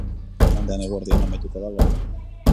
Igandean eguerdian amaituko da alerta.